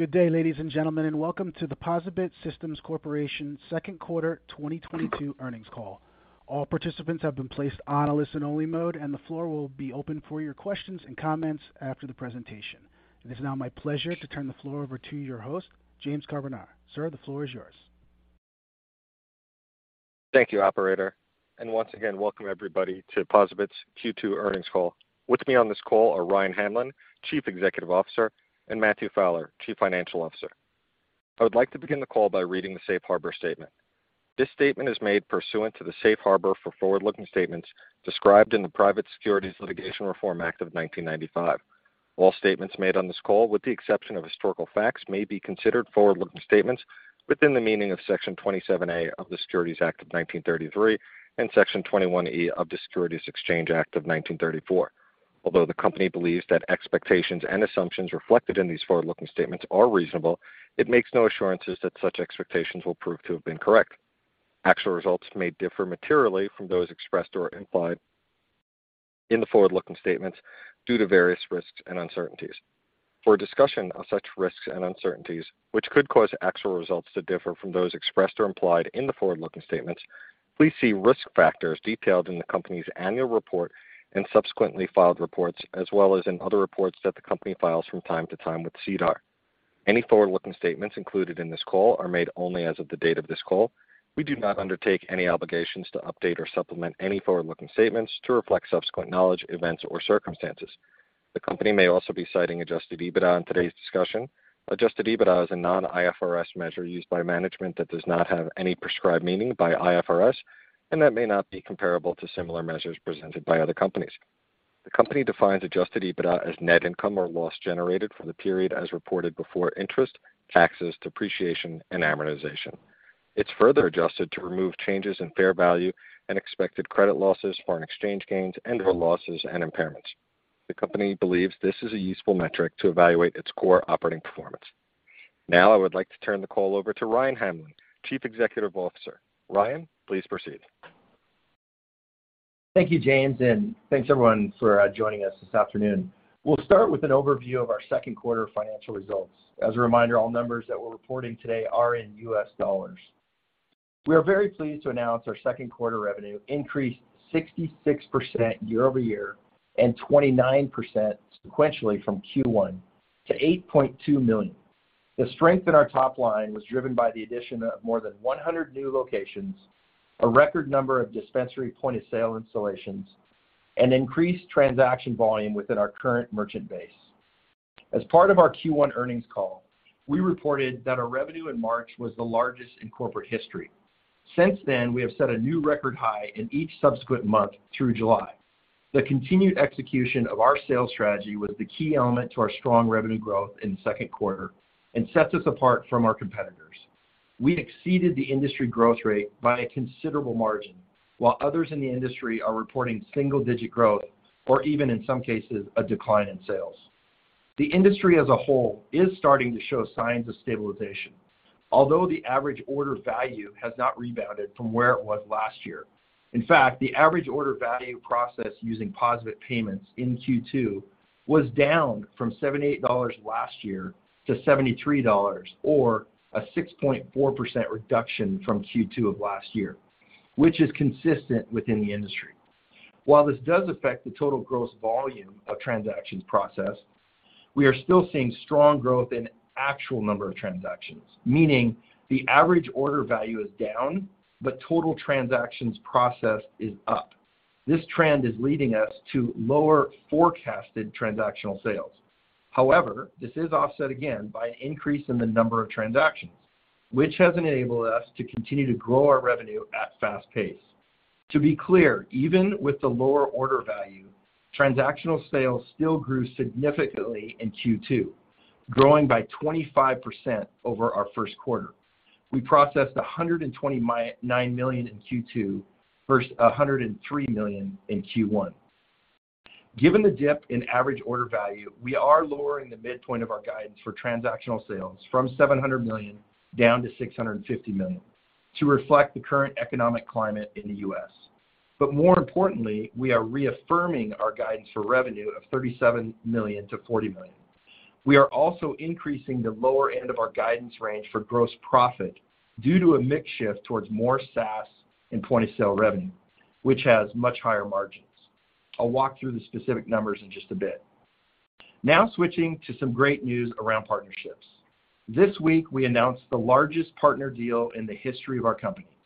Good day, ladies and gentlemen, and welcome to the POSaBIT Systems Corporation second quarter 2022 earnings call. All participants have been placed on a listen-only mode, and the floor will be open for your questions and comments after the presentation. It is now my pleasure to turn the floor over to your host, James Carbonara. Sir, the floor is yours. Thank you, operator, and once again, welcome everybody to POSaBIT's Q2 earnings call. With me on this call are Ryan Hamlin, Chief Executive Officer, and Matthew Fowler, Chief Financial Officer. I would like to begin the call by reading the Safe Harbor statement. This statement is made pursuant to the Safe Harbor for forward-looking statements described in the Private Securities Litigation Reform Act of 1995. All statements made on this call, with the exception of historical facts, may be considered forward-looking statements within the meaning of Section 27A of the Securities Act of 1933 and Section 21E of the Securities Exchange Act of 1934. Although the company believes that expectations and assumptions reflected in these forward-looking statements are reasonable, it makes no assurances that such expectations will prove to have been correct. Actual results may differ materially from those expressed or implied in the forward-looking statements due to various risks and uncertainties. For a discussion of such risks and uncertainties, which could cause actual results to differ from those expressed or implied in the forward-looking statements, please see risk factors detailed in the company's annual report and subsequently filed reports, as well as in other reports that the company files from time to time with SEDAR. Any forward-looking statements included in this call are made only as of the date of this call. We do not undertake any obligations to update or supplement any forward-looking statements to reflect subsequent knowledge, events or circumstances. The company may also be citing adjusted EBITDA in today's discussion. Adjusted EBITDA is a non-IFRS measure used by management that does not have any prescribed meaning by IFRS and that may not be comparable to similar measures presented by other companies. The company defines adjusted EBITDA as net income or loss generated for the period as reported before interest, taxes, depreciation and amortization. It's further adjusted to remove changes in fair value and expected credit losses, foreign exchange gains and/or losses and impairments. The company believes this is a useful metric to evaluate its core operating performance. Now I would like to turn the call over to Ryan Hamlin, Chief Executive Officer. Ryan, please proceed. Thank you, James, and thanks everyone for joining us this afternoon. We'll start with an overview of our second quarter financial results. As a reminder, all numbers that we're reporting today are in US dollars. We are very pleased to announce our second quarter revenue increased 66% year-over-year and 29% sequentially from Q1 to $8.2 million. The strength in our top line was driven by the addition of more than 100 new locations, a record number of dispensary point-of-sale installations, and increased transaction volume within our current merchant base. As part of our Q1 earnings call, we reported that our revenue in March was the largest in corporate history. Since then, we have set a new record high in each subsequent month through July. The continued execution of our sales strategy was the key element to our strong revenue growth in the second quarter and sets us apart from our competitors. We exceeded the industry growth rate by a considerable margin, while others in the industry are reporting single-digit growth, or even in some cases, a decline in sales. The industry as a whole is starting to show signs of stabilization, although the average order value has not rebounded from where it was last year. In fact, the average order value processed using POSaBIT payments in Q2 was down from $78 last year to $73, or a 6.4% reduction from Q2 of last year, which is consistent within the industry. While this does affect the total gross volume of transactions processed, we are still seeing strong growth in actual number of transactions, meaning the average order value is down, but total transactions processed is up. This trend is leading us to lower forecasted transactional sales. However, this is offset again by an increase in the number of transactions, which has enabled us to continue to grow our revenue at fast pace. To be clear, even with the lower order value, transactional sales still grew significantly in Q2, growing by 25% over our first quarter. We processed $129 million in Q2 versus $103 million in Q1. Given the dip in average order value, we are lowering the midpoint of our guidance for transactional sales from $700 million down to $650 million to reflect the current economic climate in the U.S. More importantly, we are reaffirming our guidance for revenue of $37 million-$40 million. We are also increasing the lower end of our guidance range for gross profit due to a mix shift towards more SaaS and point-of-sale revenue, which has much higher margins. I'll walk through the specific numbers in just a bit. Now, switching to some great news around partnerships. This week we announced the largest partner deal in the history of our company.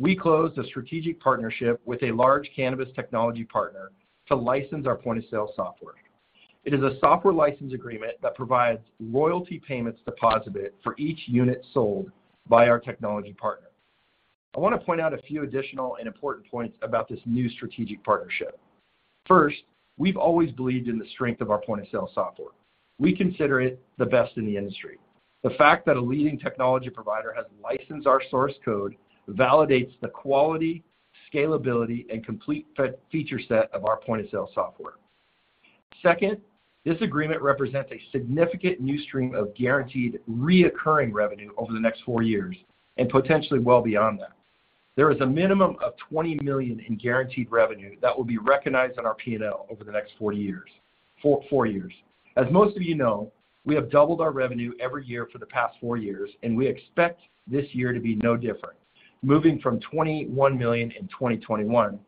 We closed a strategic partnership with a large cannabis technology partner to license our point-of-sale software. It is a software license agreement that provides royalty payments to POSaBIT for each unit sold by our technology partner. I want to point out a few additional and important points about this new strategic partnership. First, we've always believed in the strength of our point-of-sale software. We consider it the best in the industry. The fact that a leading technology provider has licensed our source code validates the quality, scalability, and complete feature set of our point-of-sale software. Second, this agreement represents a significant new stream of guaranteed reoccurring revenue over the next four years and potentially well beyond that. There is a minimum of $20 million in guaranteed revenue that will be recognized on our P&L over the next four years. As most of you know, we have doubled our revenue every year for the past four years, and we expect this year to be no different. Moving from $21 million in 2021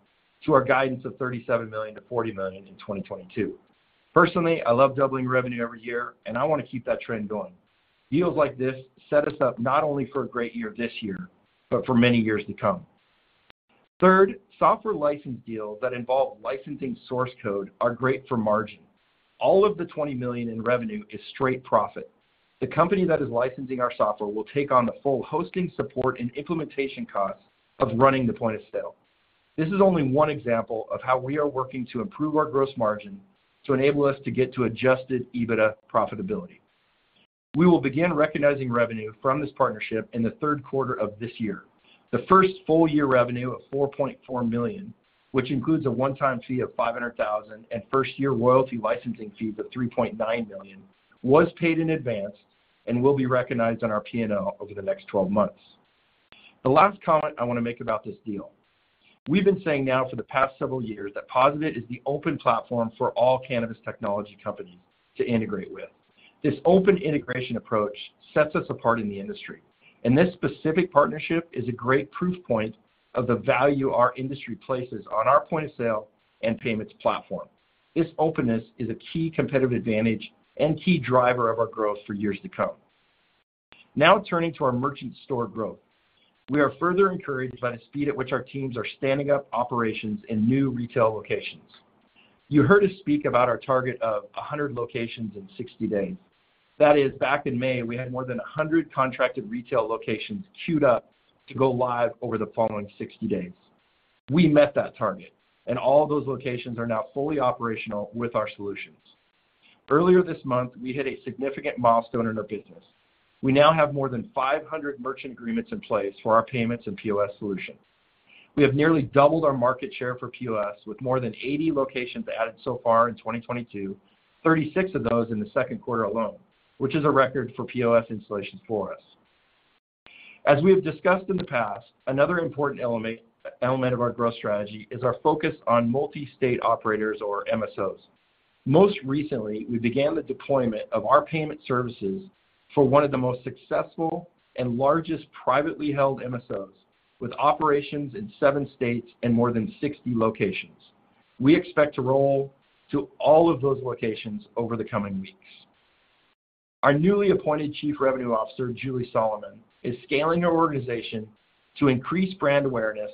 to our guidance of $37 million-$40 million in 2022. Personally, I love doubling revenue every year, and I wanna keep that trend going. Deals like this set us up not only for a great year this year, but for many years to come. Third, software license deals that involve licensing source code are great for margin. All of the $20 million in revenue is straight profit. The company that is licensing our software will take on the full hosting, support, and implementation costs of running the point of sale. This is only one example of how we are working to improve our gross margin to enable us to get to adjusted EBITDA profitability. We will begin recognizing revenue from this partnership in the third quarter of this year. The first full year revenue of $4.4 million, which includes a one-time fee of $500,000 and first-year royalty licensing fees of $3.9 million, was paid in advance and will be recognized on our P&L over the next twelve months. The last comment I wanna make about this deal, we've been saying now for the past several years that POSaBIT is the open platform for all cannabis technology companies to integrate with. This open integration approach sets us apart in the industry, and this specific partnership is a great proof point of the value our industry places on our point of sale and payments platform. This openness is a key competitive advantage and key driver of our growth for years to come. Now, turning to our merchant store growth. We are further encouraged by the speed at which our teams are standing up operations in new retail locations. You heard us speak about our target of 100 locations in 60 days. That is, back in May, we had more than 100 contracted retail locations queued up to go live over the following 60 days. We met that target, and all of those locations are now fully operational with our solutions. Earlier this month, we hit a significant milestone in our business. We now have more than 500 merchant agreements in place for our payments and POS solutions. We have nearly doubled our market share for POS, with more than 80 locations added so far in 2022, 36 of those in the second quarter alone, which is a record for POS installations for us. As we have discussed in the past, another important element of our growth strategy is our focus on multi-state operators or MSOs. Most recently, we began the deployment of our payment services for one of the most successful and largest privately held MSOs, with operations in seven states and more than 60 locations. We expect to roll to all of those locations over the coming weeks. Our newly appointed Chief Revenue Officer, Julie Solomon, is scaling our organization to increase brand awareness,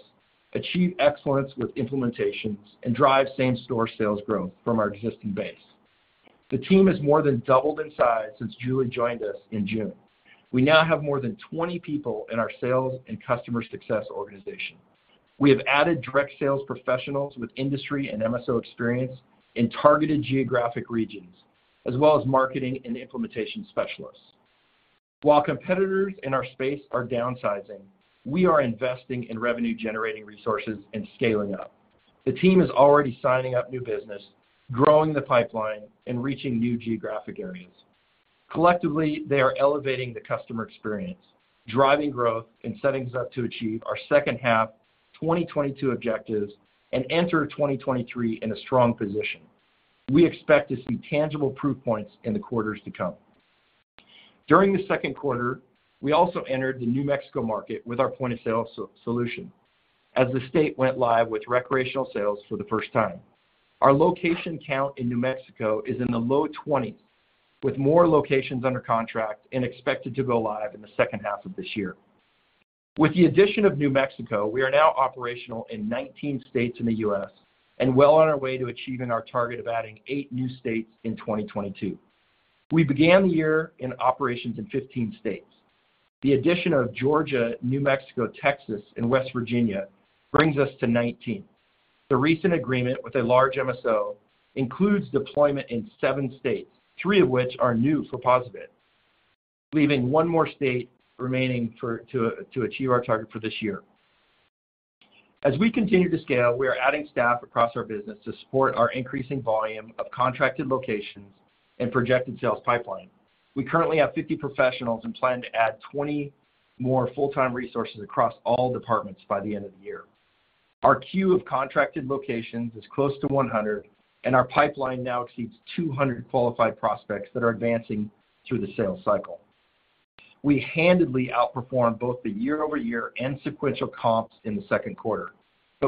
achieve excellence with implementations, and drive same-store sales growth from our existing base. The team has more than doubled in size since Julie joined us in June. We now have more than 20 people in our sales and customer success organization. We have added direct sales professionals with industry and MSO experience in targeted geographic regions, as well as marketing and implementation specialists. While competitors in our space are downsizing, we are investing in revenue-generating resources and scaling up. The team is already signing up new business, growing the pipeline, and reaching new geographic areas. Collectively, they are elevating the customer experience, driving growth, and setting us up to achieve our second half 2022 objectives and enter 2023 in a strong position. We expect to see tangible proof points in the quarters to come. During the second quarter, we also entered the New Mexico market with our point-of-sale solution as the state went live with recreational sales for the first time. Our location count in New Mexico is in the low 20s, with more locations under contract and expected to go live in the second half of this year. With the addition of New Mexico, we are now operational in 19 states in the U.S. and well on our way to achieving our target of adding eight new states in 2022. We began the year in operations in 15 states. The addition of Georgia, New Mexico, Texas, and West Virginia brings us to 19. The recent agreement with a large MSO includes deployment in seven states, three of which are new for POSaBIT, leaving one more state remaining to achieve our target for this year. As we continue to scale, we are adding staff across our business to support our increasing volume of contracted locations and projected sales pipeline. We currently have 50 professionals and plan to add 20 more full-time resources across all departments by the end of the year. Our queue of contracted locations is close to 100, and our pipeline now exceeds 200 qualified prospects that are advancing through the sales cycle. We handily outperformed both the year-over-year and sequential comps in the second quarter.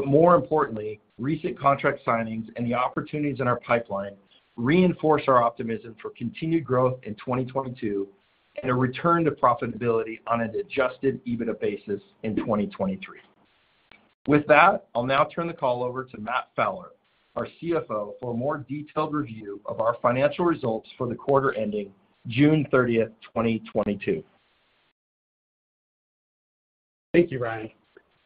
More importantly, recent contract signings and the opportunities in our pipeline reinforce our optimism for continued growth in 2022 and a return to profitability on an adjusted EBITDA basis in 2023. With that, I'll now turn the call over to Matt Fowler, our CFO, for a more detailed review of our financial results for the quarter ending June 30th, 2022. Thank you, Ryan.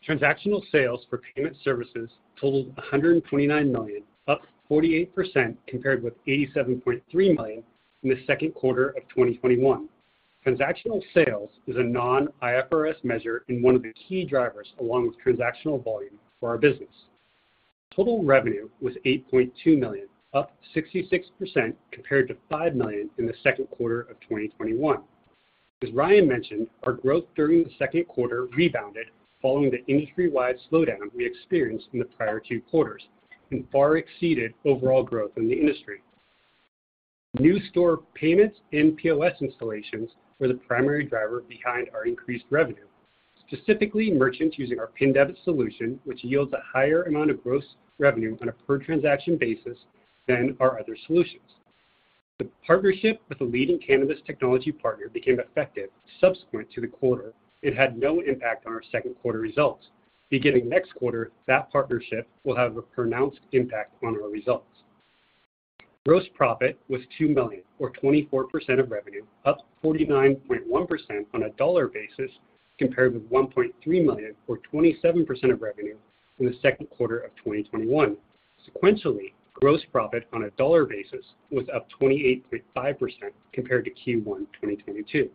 Transactional sales for payment services totaled $129 million, up 48% compared with $87.3 million in the second quarter of 2021. Transactional sales is a non-IFRS measure and one of the key drivers along with transactional volume for our business. Total revenue was $8.2 million, up 66% compared to $5 million in the second quarter of 2021. As Ryan mentioned, our growth during the second quarter rebounded following the industry-wide slowdown we experienced in the prior two quarters and far exceeded overall growth in the industry. New store payments and POS installations were the primary driver behind our increased revenue. Specifically, merchants using our PIN debit solution, which yields a higher amount of gross revenue on a per transaction basis than our other solutions. The partnership with the leading cannabis technology partner became effective subsequent to the quarter. It had no impact on our second quarter results. Beginning next quarter, that partnership will have a pronounced impact on our results. Gross profit was $2 million or 24% of revenue, up 49.1% on a dollar basis compared with $1.3 million or 27% of revenue in the second quarter of 2021. Sequentially, gross profit on a dollar basis was up 28.5% compared to Q1 2022.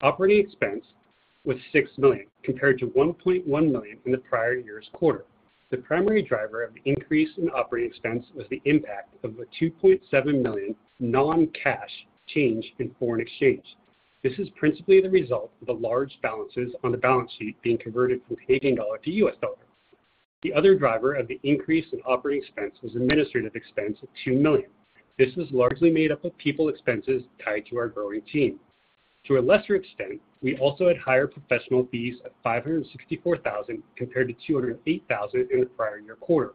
Operating expense was $6 million compared to $1.1 million in the prior year's quarter. The primary driver of the increase in operating expense was the impact of a $2.7 million non-cash change in foreign exchange. This is principally the result of the large balances on the balance sheet being converted from Canadian dollar to US dollar. The other driver of the increase in operating expense was administrative expense of $2 million. This was largely made up of people expenses tied to our growing team. To a lesser extent, we also had higher professional fees of $564 thousand compared to $208 thousand in the prior year quarter.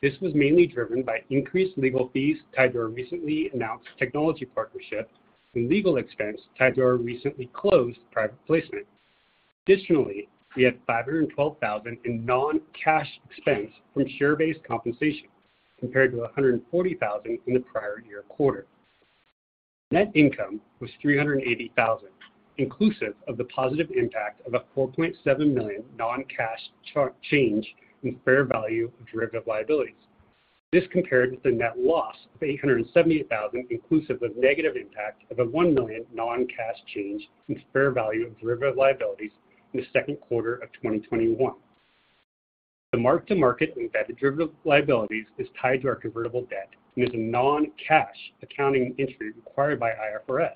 This was mainly driven by increased legal fees tied to our recently announced technology partnership and legal expense tied to our recently closed private placement. Additionally, we had $512 thousand in non-cash expense from share-based compensation compared to $140 thousand in the prior year quarter. Net income was $380 thousand, inclusive of the positive impact of a $4.7 million non-cash change in fair value of derivative liabilities. This compared with the net loss of $870,000 inclusive of negative impact of a $1 million non-cash change in fair value of derivative liabilities in the second quarter of 2021. The mark-to-market embedded derivative liabilities is tied to our convertible debt and is a non-cash accounting entry required by IFRS.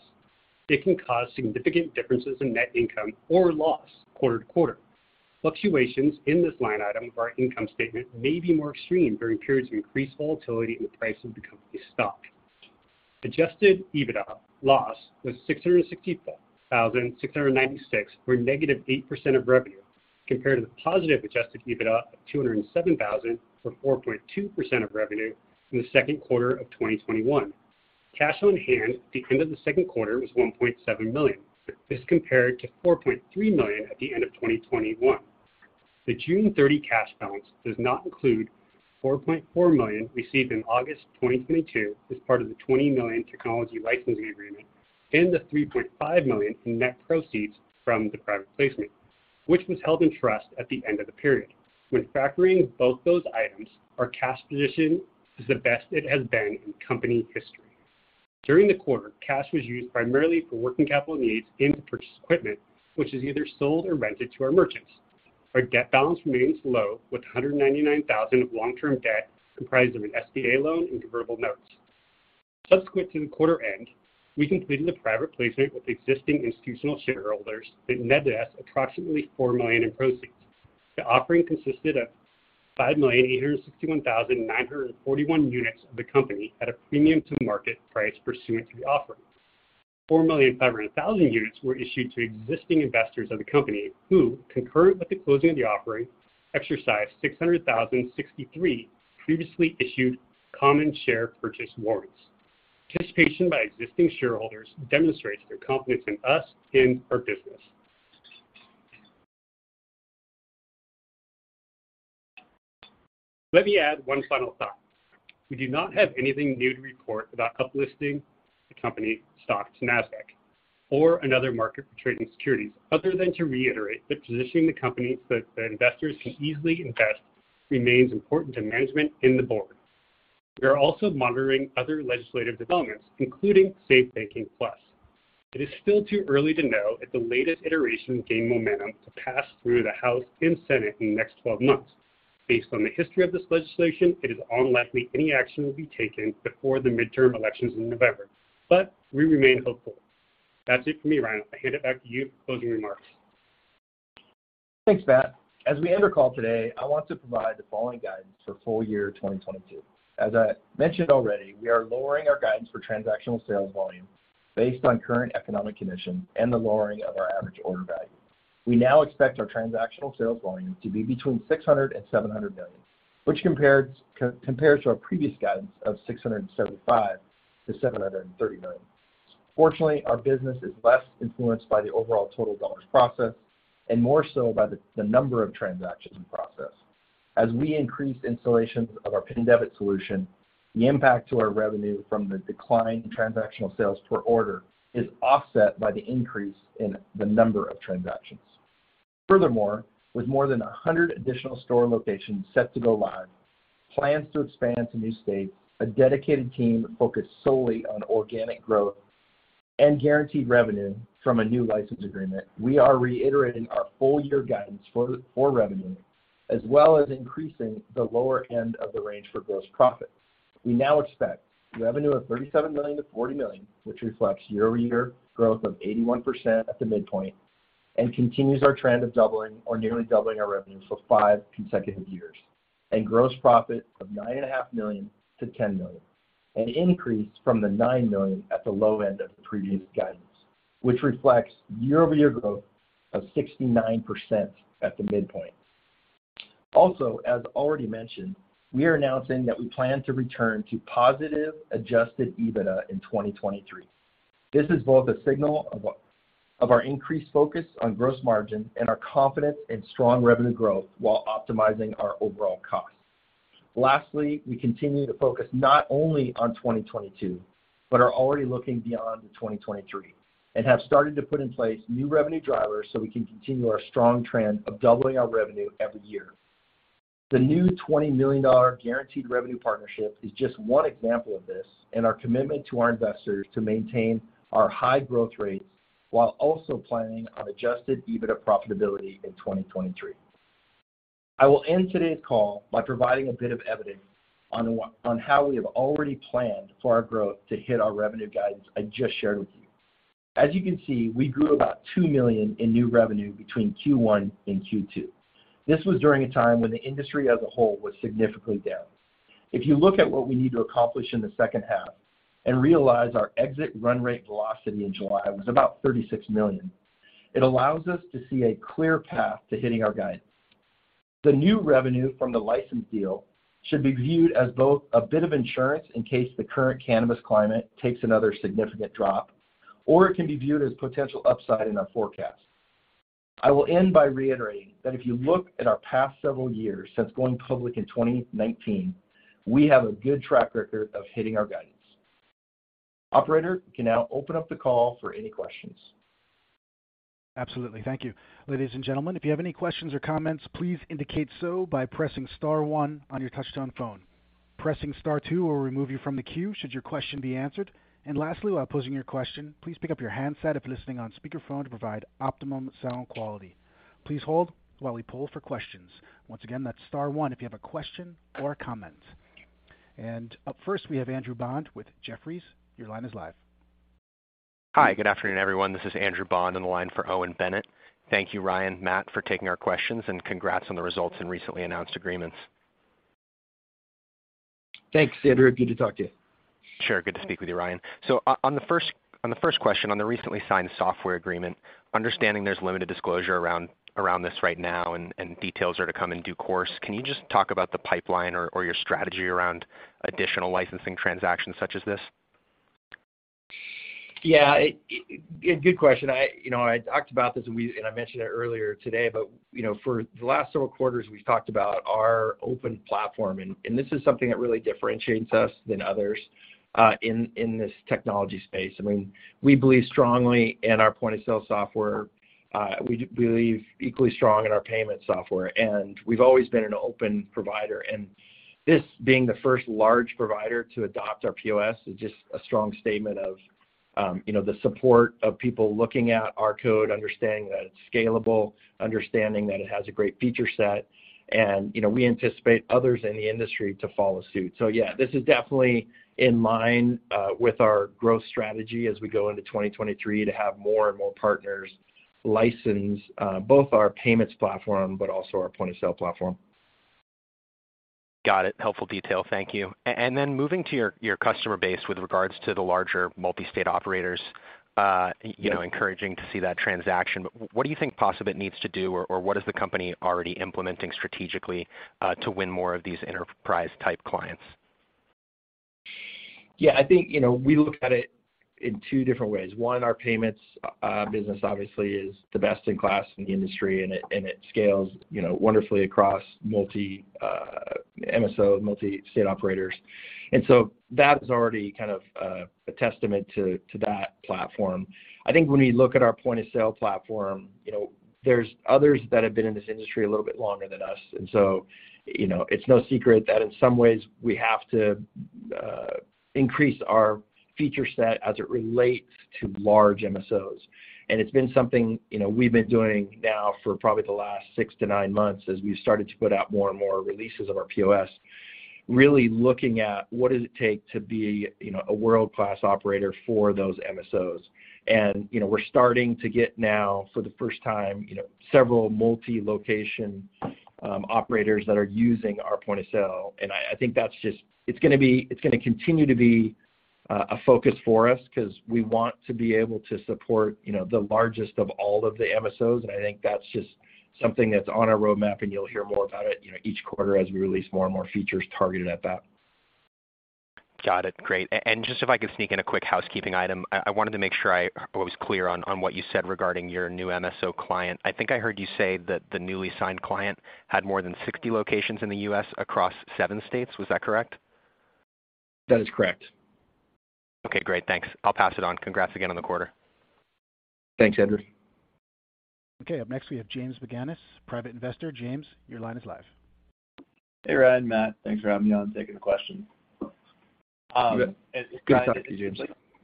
It can cause significant differences in net income or loss quarter-to-quarter. Fluctuations in this line item of our income statement may be more extreme during periods of increased volatility in the price of the company's stock. Adjusted EBITDA loss was $664,696 or negative 8% of revenue compared to the positive adjusted EBITDA of $207,000 for 4.2% of revenue in the second quarter of 2021. Cash on hand at the end of the second quarter was $1.7 million. This compared to $4.3 million at the end of 2021. The June 30 cash balance does not include the $4.4 million received in August 2022 as part of the $20 million technology licensing agreement and the $3.5 million in net proceeds from the private placement, which was held in trust at the end of the period. When factoring both those items, our cash position is the best it has been in company history. During the quarter, cash was used primarily for working capital needs and to purchase equipment, which is either sold or rented to our merchants. Our debt balance remains low, with $199,000 of long-term debt comprised of an SBA loan and convertible notes. Subsequent to the quarter end, we completed a private placement with existing institutional shareholders that net us approximately $4 million in proceeds. The offering consisted of 5,861,941 units of the company at a premium to market price pursuant to the offering. 4,500,000 units were issued to existing investors of the company who, concurrent with the closing of the offering, exercised 600,063 previously issued common share purchase warrants. Participation by existing shareholders demonstrates their confidence in us and our business. Let me add one final thought. We do not have anything new to report about uplisting the company stock to Nasdaq or another market for trading securities other than to reiterate that positioning the company so that investors can easily invest remains important to management and the board. We are also monitoring other legislative developments, including SAFE Banking Plus. It is still too early to know if the latest iterations gain momentum to pass through the House and Senate in the next 12 months. Based on the history of this legislation, it is unlikely any action will be taken before the midterm elections in November, but we remain hopeful. That's it for me, Ryan. I hand it back to you for closing remarks. Thanks, Matt. As we end our call today, I want to provide the following guidance for full year 2022. As I mentioned already, we are lowering our guidance for transactional sales volume based on current economic conditions and the lowering of our average order value. We now expect our transactional sales volume to be between $600 million and $700 million, which compares to our previous guidance of $675 million-$730 million. Fortunately, our business is less influenced by the overall total dollars processed and more so by the number of transactions processed. As we increase installations of our PIN debit solution, the impact to our revenue from the decline in transactional sales per order is offset by the increase in the number of transactions. Furthermore, with more than 100 additional store locations set to go live, plans to expand to new states, a dedicated team focused solely on organic growth and guaranteed revenue from a new license agreement, we are reiterating our full year guidance for revenue, as well as increasing the lower end of the range for gross profit. We now expect revenue of $37 million-$40 million, which reflects year-over-year growth of 81% at the midpoint, and continues our trend of doubling or nearly doubling our revenue for five consecutive years, and gross profit of $9.5 million-$10 million, an increase from the $9 million at the low end of the previous guidance, which reflects year-over-year growth of 69% at the midpoint. Also, as already mentioned, we are announcing that we plan to return to positive adjusted EBITDA in 2023. This is both a signal of our increased focus on gross margin and our confidence in strong revenue growth while optimizing our overall cost. Lastly, we continue to focus not only on 2022, but are already looking beyond to 2023 and have started to put in place new revenue drivers so we can continue our strong trend of doubling our revenue every year. The new $20 million guaranteed revenue partnership is just one example of this and our commitment to our investors to maintain our high growth rates while also planning on adjusted EBITDA profitability in 2023. I will end today's call by providing a bit of evidence on how we have already planned for our growth to hit our revenue guidance I just shared with you. As you can see, we grew about $2 million in new revenue between Q1 and Q2. This was during a time when the industry as a whole was significantly down. If you look at what we need to accomplish in the second half and realize our exit run rate velocity in July was about $36 million, it allows us to see a clear path to hitting our guidance. The new revenue from the license deal should be viewed as both a bit of insurance in case the current cannabis climate takes another significant drop, or it can be viewed as potential upside in our forecast. I will end by reiterating that if you look at our past several years since going public in 2019, we have a good track record of hitting our guidance. Operator, you can now open up the call for any questions. Absolutely. Thank you. Ladies and gentlemen, if you have any questions or comments, please indicate so by pressing star one on your touch-tone phone. Pressing star two will remove you from the queue should your question be answered. Lastly, while posing your question, please pick up your handset if listening on speakerphone to provide optimum sound quality. Please hold while we poll for questions. Once again, that's star one if you have a question or comment. Up first, we have Andrew Bond with Jefferies. Your line is live. Hi. Good afternoon, everyone. This is Andrew Bond on the line for Owen Bennett. Thank you, Ryan, Matt, for taking our questions, and congrats on the results and recently announced agreements. Thanks, Andrew. Good to talk to you. Sure. Good to speak with you, Ryan. On the first question, on the recently signed software agreement, understanding there's limited disclosure around this right now and details are to come in due course, can you just talk about the pipeline or your strategy around additional licensing transactions such as this? Yeah. Good question. I, you know, I talked about this and I mentioned it earlier today, but, you know, for the last several quarters, we've talked about our open platform and this is something that really differentiates us than others in this technology space. I mean, we believe strongly in our point-of-sale software. We believe equally strong in our payment software, and we've always been an open provider. This being the first large provider to adopt our POS is just a strong statement of, you know, the support of people looking at our code, understanding that it's scalable, understanding that it has a great feature set. You know, we anticipate others in the industry to follow suit. Yeah, this is definitely in line with our growth strategy as we go into 2023 to have more and more partners license both our payments platform but also our point-of-sale platform. Got it. Helpful detail. Thank you. Moving to your customer base with regards to the larger multi-state operators. Yeah You know, encouraging to see that transaction. What do you think POSaBIT needs to do or what is the company already implementing strategically to win more of these enterprise-type clients? Yeah. I think, you know, we look at it in two different ways. One, our payments business obviously is the best in class in the industry, and it scales, you know, wonderfully across multi MSO, multi-state operators. That is already kind of a testament to that platform. I think when we look at our point-of-sale platform, you know, there's others that have been in this industry a little bit longer than us. You know, it's no secret that in some ways, we have to increase our feature set as it relates to large MSOs. It's been something, you know, we've been doing now for probably the last six to nine months as we started to put out more and more releases of our POS, really looking at what does it take to be, you know, a world-class operator for those MSOs. We're starting to get now for the first time, you know, several multi-location operators that are using our point of sale. I think that's just gonna continue to be a focus for us 'cause we want to be able to support, you know, the largest of all of the MSOs, and I think that's just something that's on our roadmap, and you'll hear more about it, you know, each quarter as we release more and more features targeted at that. Got it. Great. Just if I could sneak in a quick housekeeping item. I wanted to make sure I was clear on what you said regarding your new MSO client. I think I heard you say that the newly signed client had more than 60 locations in the U.S. across seven states. Was that correct? That is correct. Okay, great. Thanks. I'll pass it on. Congrats again on the quarter. Thanks, Andrew. Okay, up next we have James Baglanis, Private Investor. James, your line is live. Hey, Ryan, Matt, thanks for having me on, taking the question. Good talking to you, James.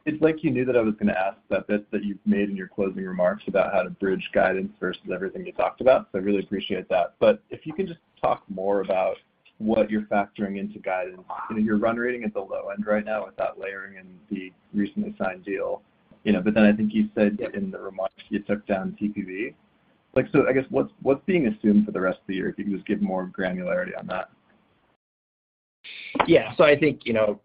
It's like you knew that I was gonna ask that bit that you've made in your closing remarks about how to bridge guidance versus everything you talked about, so I really appreciate that. If you can just talk more about what you're factoring into guidance? You know, your run rate is at the low end right now without layering in the recently signed deal, you know. I think you said in the remarks you took down TPV. Like, so I guess, what's being assumed for the rest of the year? If you can just give more granularity on that. Yeah. I think, you know,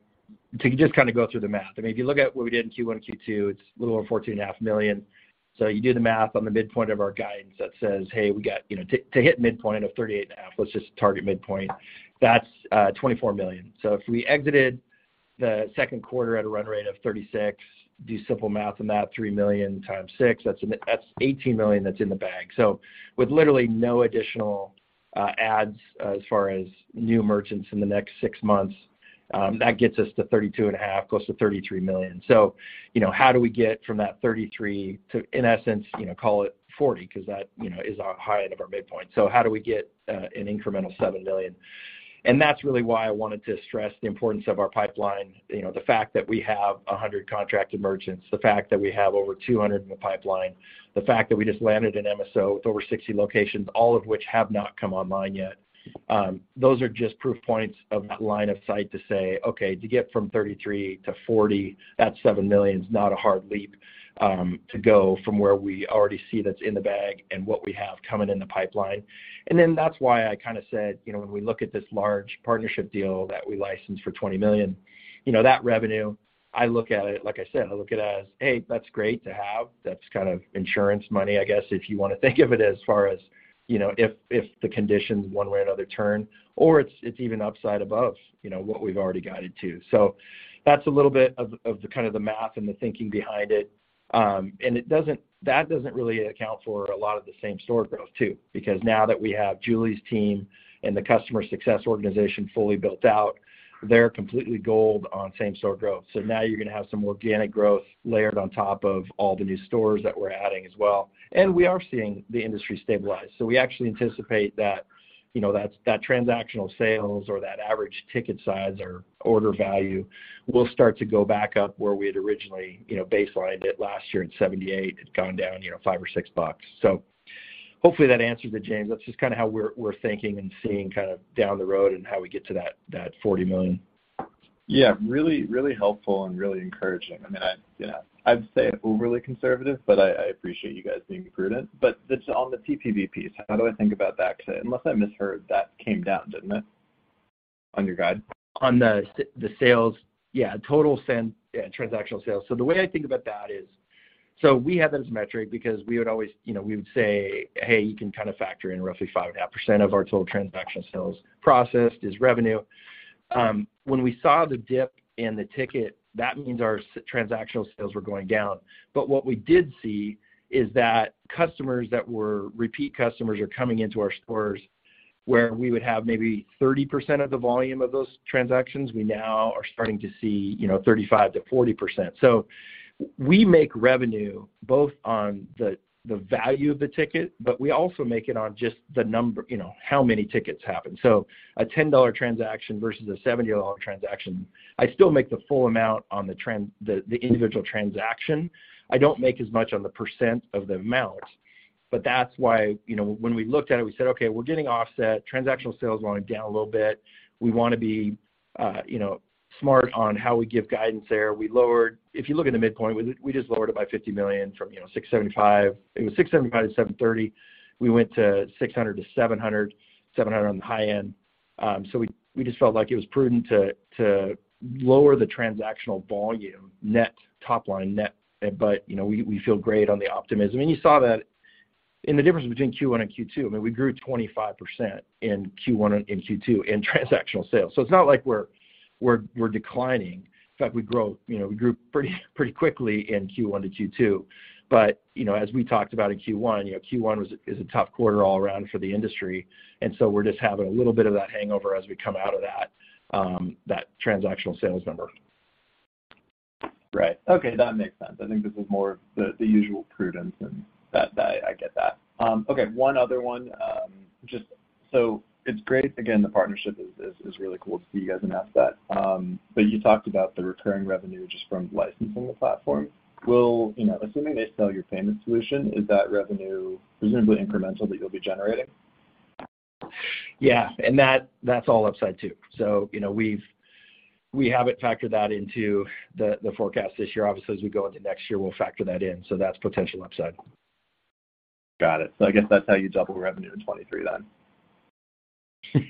to just kind of go through the math, I mean, if you look at what we did in Q1 and Q2, it's a little over $14.5 million. You do the math on the midpoint of our guidance that says, "Hey, we got, you know, to hit midpoint of $38.5, let's just target midpoint." That's $24 million. If we exited the second quarter at a run rate of $36 million, do simple math on that, $3 million x 6, that's $18 million that's in the bag. With literally no additional adds as far as new merchants in the next six months, that gets us to $32.5 million, close to $33 million. You know, how do we get from that $33 million to, in essence, you know, call it $40 million because that, you know, is our high end of our midpoint. How do we get an incremental $7 million? That's really why I wanted to stress the importance of our pipeline. You know, the fact that we have 100 contracted merchants, the fact that we have over 200 in the pipeline, the fact that we just landed an MSO with over 60 locations, all of which have not come online yet. Those are just proof points of that line of sight to say, "Okay, to get from $33 million-$40 million, that $7 million is not a hard leap, to go from where we already see that's in the bag and what we have coming in the pipeline." That's why I kinda said, you know, when we look at this large partnership deal that we licensed for $20 million, you know, that revenue, I look at it, like I said, I look it as, "Hey, that's great to have." That's kind of insurance money, I guess, if you wanna think of it as far as, you know, if the conditions one way or another turn, or it's even upside above, you know, what we've already guided to. That's a little bit of the kind of the math and the thinking behind it. That doesn't really account for a lot of the same-store growth too because now that we have Julie's team and the customer success organization fully built out, they're completely gold on same-store growth. Now you're gonna have some organic growth layered on top of all the new stores that we're adding as well. We are seeing the industry stabilize. We actually anticipate that, you know, that transactional sales or that average ticket size or order value will start to go back up where we had originally, you know, baselined it last year at $78. It's gone down, you know, $5-$6. Hopefully that answers it, James. That's just kinda how we're thinking and seeing kind of down the road and how we get to that $40 million. Yeah, really, really helpful and really encouraging. I mean, you know, I'd say overly conservative, but I appreciate you guys being prudent. Just on the TPV piece, how do I think about that? 'Cause unless I misheard, that came down, didn't it, on your guide? On the sales, yeah, total transactional sales. The way I think about that is, we have that as metric because we would always, you know, we would say, "Hey, you can kind of factor in roughly 5.5% of our total transaction sales processed is revenue." When we saw the dip in the ticket, that means our transactional sales were going down. What we did see is that customers that were repeat customers are coming into our stores, where we would have maybe 30% of the volume of those transactions, we now are starting to see, you know, 35%-40%. We make revenue both on the value of the ticket, but we also make it on just the number, you know, how many tickets happen. A $10 transaction versus a $70 transaction, I still make the full amount on the the individual transaction. I don't make as much on the % of the amount, but that's why, you know, when we looked at it, we said, "Okay, we're getting offset. Transactional sales volume down a little bit. We wanna be, you know, smart on how we give guidance there." We lowered. If you look at the midpoint, we just lowered it by $50 million from, you know, $675 million. It was $675 million-$730 million. We went to $600 million-$700 million on the high end. We just felt like it was prudent to lower the transactional volume net, top line net, but, you know, we feel great on the optimism. You saw that in the difference between Q1 and Q2. I mean, we grew 25% in Q1 and Q2 in transactional sales. It's not like we're declining. In fact, you know, we grew pretty quickly in Q1-Q2. You know, as we talked about in Q1, you know, Q1 is a tough quarter all around for the industry, and so we're just having a little bit of that hangover as we come out of that transactional sales number. Right. Okay, that makes sense. I think this is more of the usual prudence and that I get that. Okay, one other one. Just so it's great, again, the partnership is really cool to see you guys announce that. You talked about the recurring revenue just from licensing the platform. Well, you know, assuming they sell your payment solution, is that revenue presumably incremental that you'll be generating? Yeah, that's all upside too. You know, we haven't factored that into the forecast this year. Obviously, as we go into next year, we'll factor that in, so that's potential upside. Got it. I guess that's how you double revenue in 2023 then. Did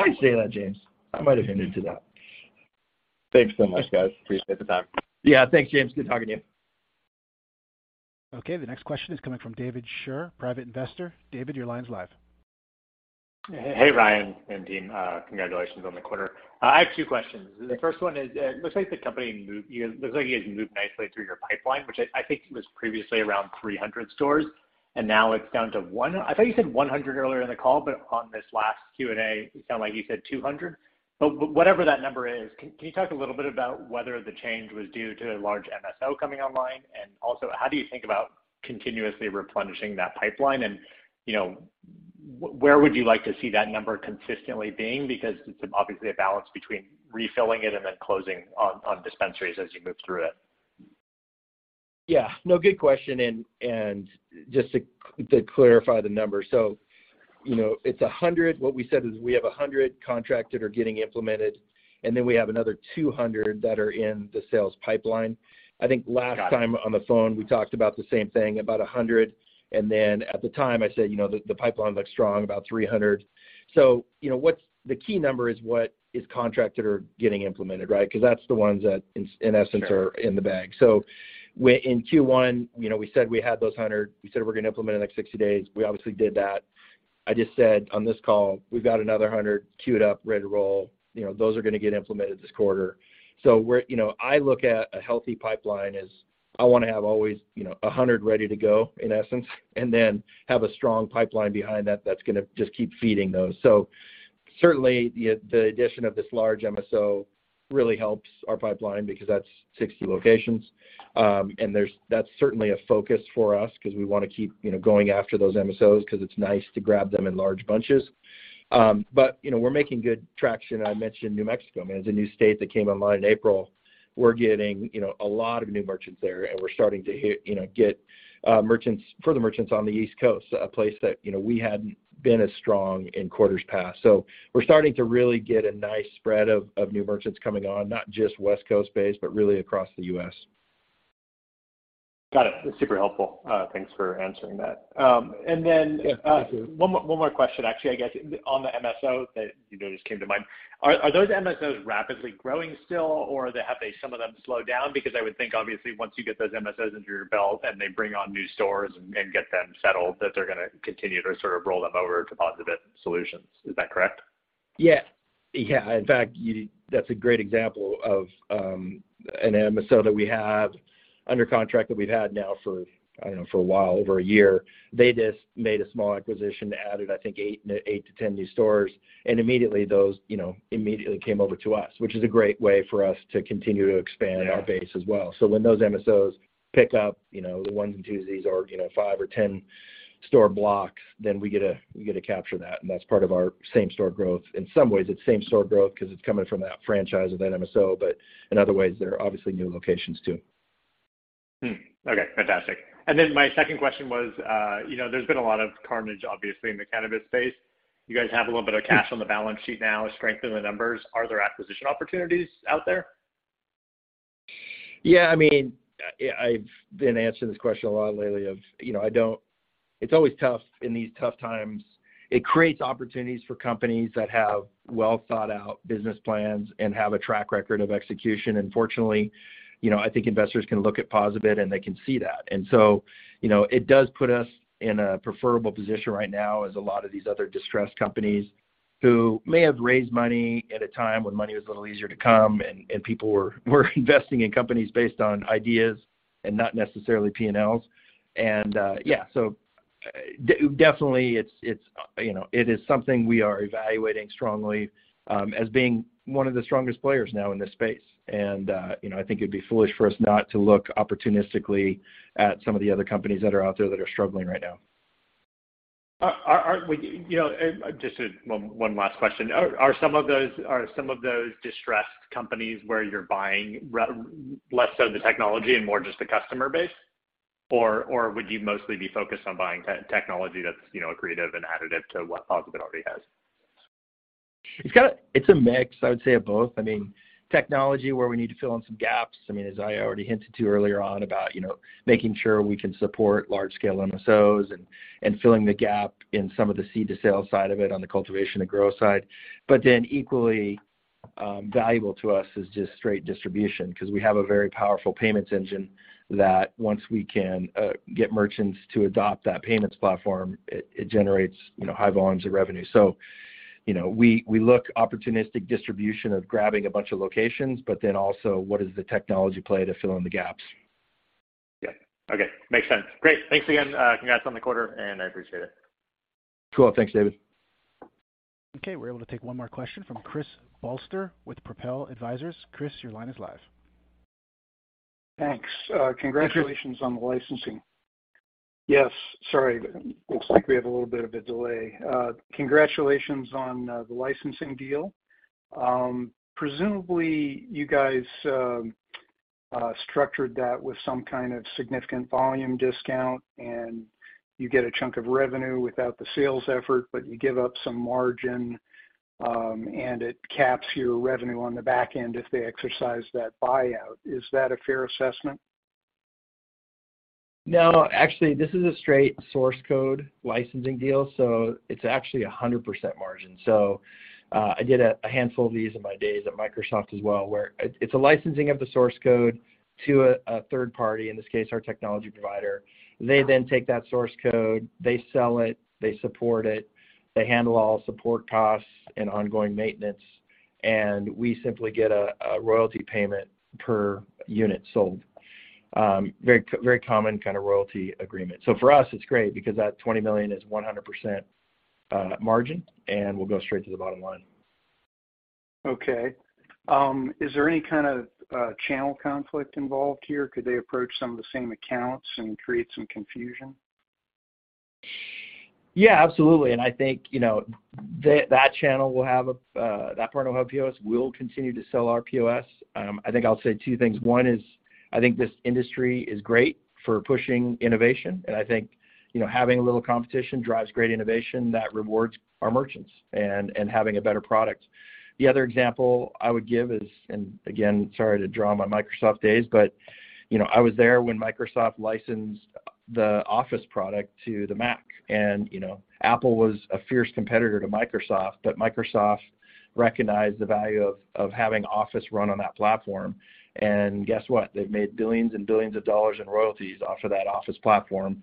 I say that, James? I might have hinted to that. Thanks so much, guys. Appreciate the time. Yeah. Thanks, James. Good talking to you. Okay, the next question is coming from David Schur, Private Investor. David, your line is live. Hey, Ryan and team. Congratulations on the quarter. I have two questions. The first one is, looks like the company moved, you know, looks like you guys moved nicely through your pipeline, which I think was previously around 300 stores. Now it's down to 1. I thought you said 100 earlier in the call, but on this last Q&A, it sounded like you said 200. Whatever that number is, can you talk a little bit about whether the change was due to a large MSO coming online? Also, how do you think about continuously replenishing that pipeline? You know, where would you like to see that number consistently being? Because it's obviously a balance between refilling it and then closing on dispensaries as you move through it. Yeah. No, good question and just to clarify the number. You know, it's 100. What we said is we have 100 contracted or getting implemented, and then we have another 200 that are in the sales pipeline. Got it. I think last time on the phone, we talked about the same thing, about 100. At the time I said, you know, the pipeline looks strong, about 300. You know, what's the key number is what is contracted or getting implemented, right? Because that's the ones that in essence. Sure are in the bag. In Q1, you know, we said we had those 100. We said we're gonna implement in the next 60 days. We obviously did that. I just said on this call, we've got another 100 queued up, ready to roll. You know, those are gonna get implemented this quarter. We're, you know, I look at a healthy pipeline as I wanna have always, you know, a 100 ready to go, in essence, and then have a strong pipeline behind that that's gonna just keep feeding those. Certainly the addition of this large MSO really helps our pipeline because that's 60 locations. And that's certainly a focus for us because we wanna keep, you know, going after those MSOs because it's nice to grab them in large bunches. You know, we're making good traction. I mentioned New Mexico, man. It's a new state that came online in April. We're getting, you know, a lot of new merchants there, and we're starting to hit, you know, get merchants—further merchants on the East Coast, a place that, you know, we hadn't been as strong in quarters past. We're starting to really get a nice spread of new merchants coming on, not just West Coast-based, but really across the U.S. Got it. That's super helpful. Thanks for answering that. Yeah. Thank you. One more question, actually, I guess on the MSO that, you know, just came to mind. Are those MSOs rapidly growing still, or have some of them slowed down? Because I would think obviously once you get those MSOs under your belt and they bring on new stores and get them settled, that they're gonna continue to sort of roll them over to POSaBIT solutions. Is that correct? Yeah. In fact, that's a great example of an MSO that we have under contract that we've had now for, I don't know, for a while, over a year. They just made a small acquisition, added, I think, eight to 10 new stores, and immediately those, you know, came over to us, which is a great way for us to continue to expand. Yeah our base as well. When those MSOs pick up, you know, the ones and twos, these org, you know, five or ten store blocks, then we get to capture that, and that's part of our same store growth. In some ways, it's same store growth because it's coming from that franchise of that MSO. But in other ways, they're obviously new locations too. Okay, fantastic. My second question was, you know, there's been a lot of carnage obviously in the cannabis space. You guys have a little bit of cash on the balance sheet now, strength in the numbers. Are there acquisition opportunities out there? Yeah, I mean, I've been answering this question a lot lately. It's always tough in these tough times. It creates opportunities for companies that have well thought out business plans and have a track record of execution. Fortunately, you know, I think investors can look at POSaBIT and they can see that. You know, it does put us in a preferable position right now as a lot of these other distressed companies who may have raised money at a time when money was a little easier to come by and people were investing in companies based on ideas and not necessarily P&Ls. Yeah, definitely it's, you know, it is something we are evaluating strongly as being one of the strongest players now in this space. You know, I think it'd be foolish for us not to look opportunistically at some of the other companies that are out there that are struggling right now. Would you know just one last question. Are some of those distressed companies where you're buying less so the technology and more just the customer base? Or would you mostly be focused on buying technology that's, you know, accretive and additive to what POSaBIT already has? It's a mix, I would say, of both. I mean, technology where we need to fill in some gaps, I mean, as I already hinted to earlier on about, you know, making sure we can support large scale MSOs and filling the gap in some of the seed to sale side of it on the cultivation and grow side. Equally, valuable to us is just straight distribution because we have a very powerful payments engine that once we can get merchants to adopt that payments platform, it generates, you know, high volumes of revenue. You know, we look for opportunistic distribution of grabbing a bunch of locations, but then also what is the technology play to fill in the gaps. Yeah. Okay. Makes sense. Great. Thanks again. Congrats on the quarter, and I appreciate it. Cool. Thanks, David. Okay, we're able to take one more question from Chris Balster with Propel Advisors. Chris, your line is live. Thanks. Congratulations on the licensing deal. Presumably, you guys structured that with some kind of significant volume discount, and you get a chunk of revenue without the sales effort, but you give up some margin, and it caps your revenue on the back end if they exercise that buyout. Is that a fair assessment? No, actually, this is a straight source code licensing deal, so it's actually a 100% margin. I did a handful of these in my days at Microsoft as well, where it's a licensing of the source code to a third party, in this case, our technology provider. They then take that source code, they sell it, they support it, they handle all support costs and ongoing maintenance, and we simply get a royalty payment per unit sold. Very common kind of royalty agreement. For us, it's great because that $20 million is 100% margin, and we'll go straight to the bottom line. Okay. Is there any kind of channel conflict involved here? Could they approach some of the same accounts and create some confusion? Yeah, absolutely. I think, you know, that channel will have a that partner will have POS. We'll continue to sell our POS. I think I'll say two things. One is, I think this industry is great for pushing innovation, and I think, you know, having a little competition drives great innovation that rewards our merchants and having a better product. The other example I would give is, again, sorry to draw on my Microsoft days, but, you know, I was there when Microsoft licensed the Office product to the Mac. You know, Apple was a fierce competitor to Microsoft, but Microsoft recognized the value of having Office run on that platform. Guess what? They've made billions and billions of dollars in royalties off of that Office platform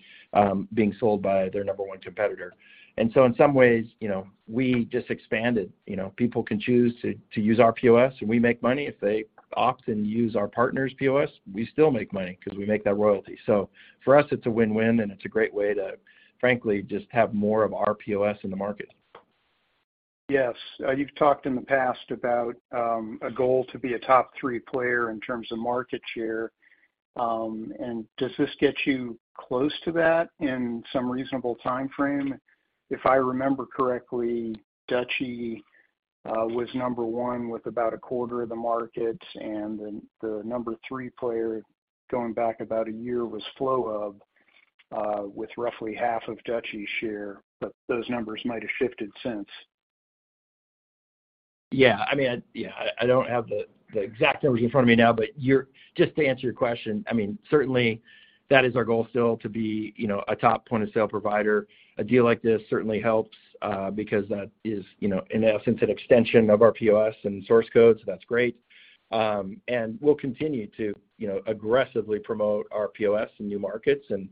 being sold by their number one competitor. In some ways, you know, we just expanded. You know, people can choose to use our POS and we make money. If they opt and use our partner's POS, we still make money because we make that royalty. For us, it's a win-win, and it's a great way to, frankly, just have more of our POS in the market. Yes. You've talked in the past about a goal to be a top three player in terms of market share. Does this get you close to that in some reasonable timeframe? If I remember correctly, Dutchie was number one with about a quarter of the market, and then the number three player going back about a year was Flowhub with roughly half of Dutchie's share, but those numbers might have shifted since. Yeah. I mean, yeah, I don't have the exact numbers in front of me now, but just to answer your question, I mean, certainly that is our goal still to be, you know, a top point-of-sale provider. A deal like this certainly helps because that is, you know, in essence, an extension of our POS and source code, so that's great. And we'll continue to, you know, aggressively promote our POS in new markets and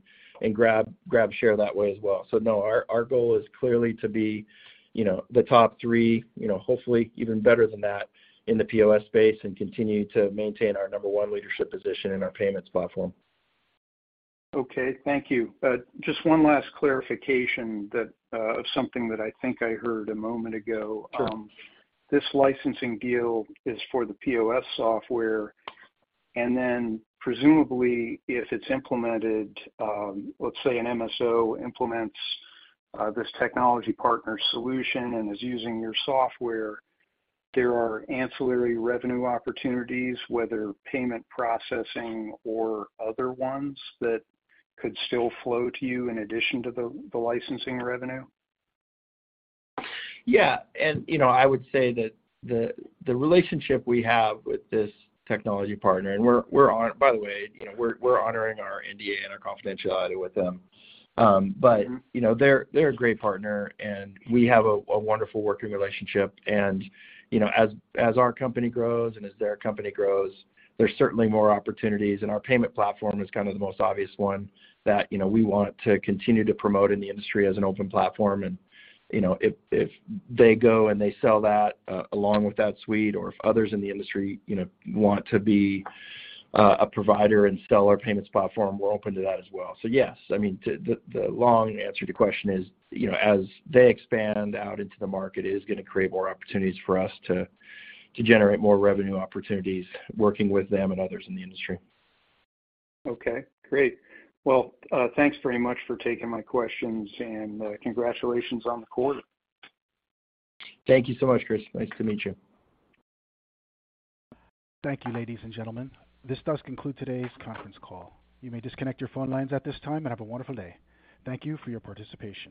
grab share that way as well. No, our goal is clearly to be, you know, the top three, you know, hopefully even better than that in the POS space and continue to maintain our number one leadership position in our payments platform. Okay, thank you. Just one last clarification that, of something that I think I heard a moment ago. Sure. This licensing deal is for the POS software. Presumably, if it's implemented, let's say an MSO implements this technology partner solution and is using your software, there are ancillary revenue opportunities, whether payment processing or other ones that could still flow to you in addition to the licensing revenue. Yeah. You know, I would say that the relationship we have with this technology partner. By the way, you know, we're honoring our NDA and our confidentiality with them. Mm-hmm You know, they're a great partner, and we have a wonderful working relationship. You know, as our company grows and as their company grows, there's certainly more opportunities, and our payment platform is kind of the most obvious one that, you know, we want to continue to promote in the industry as an open platform. You know, if they go and they sell that, along with that suite or if others in the industry, you know, want to be a provider and sell our payments platform, we're open to that as well. Yes, I mean, the long answer to your question is, you know, as they expand out into the market, it is gonna create more opportunities for us to generate more revenue opportunities working with them and others in the industry. Okay, great. Well, thanks very much for taking my questions, and congratulations on the quarter. Thank you so much, Chris. Nice to meet you. Thank you, ladies and gentlemen. This does conclude today's conference call. You may disconnect your phone lines at this time and have a wonderful day. Thank you for your participation.